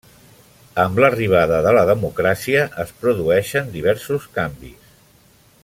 Amb l'arribada de la democràcia es produeixen diversos canvis.